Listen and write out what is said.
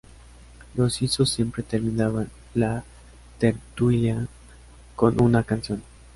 los suizos siempre terminaban la tertulia con una canción